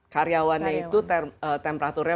karyawannya itu temperaturnya